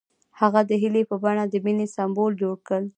هغه د هیلې په بڼه د مینې سمبول جوړ کړ.